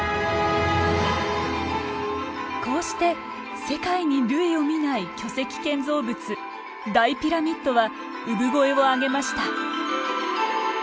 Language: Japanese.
こうして世界に類を見ない巨石建造物大ピラミッドは産声を上げました。